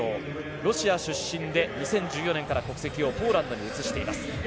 ロシア出身で２０１４年から国籍をポーランドに移しています。